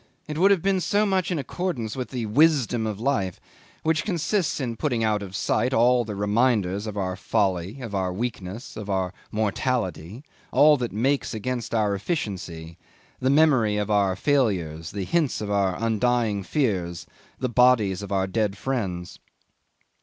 It would have been so much in accordance with the wisdom of life, which consists in putting out of sight all the reminders of our folly, of our weakness, of our mortality; all that makes against our efficiency the memory of our failures, the hints of our undying fears, the bodies of our dead friends.